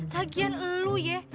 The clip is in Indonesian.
lagian lo ya